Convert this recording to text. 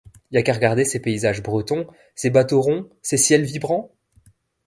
Y a qu'à regarder ses paysages bretons, ses bateaux ronds, ses ciels vibrants.